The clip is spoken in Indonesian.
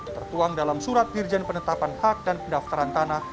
tertuang dalam surat dirjen penetapan hak dan pendaftaran tanah